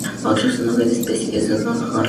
Su nombre de especie es en honor de Harold Hamilton.